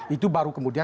itu baru kemudian